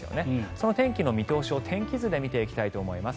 その天気の見通しを天気図で見ていきたいと思います。